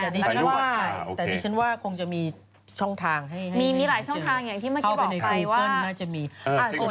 ไว้แต่จนว่าคงจะมีช่องทางให้มีหลายช่องทางอย่างที่เมื่อกี้บอกไกลว่า